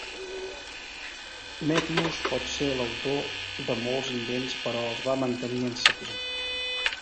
Metius pot ser l'autor de molts invents però els va mantenir en secret.